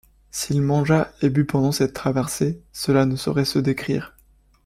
S’il mangea et but pendant cette traversée, cela ne saurait se décrire.